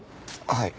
はい。